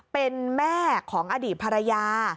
เป็นแม่ของอดีตภรรยา